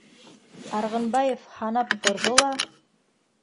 Арғынбаев һанап торҙо ла: